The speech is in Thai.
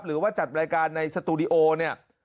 หรือว่าจัดรายการในสตูดิโอเนี่ย